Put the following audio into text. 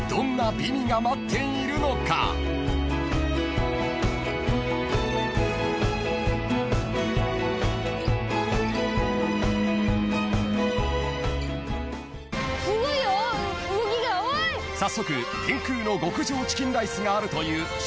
［早速天空の極上チキンライスがあるという集落へ向かう］